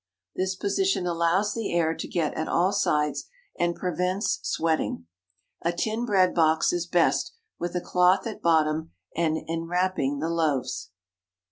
This position allows the air to get at all sides, and prevents "sweating." A tin bread box is best, with a cloth at bottom and enwrapping the loaves.